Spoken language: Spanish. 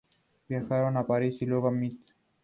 Viajaron a París y luego a Metz.